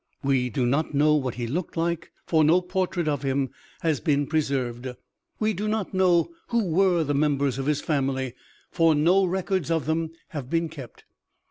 We do not know what he looked like, for no portrait of him has been preserved; we do not know who were the members of his family, for no records of them have been kept.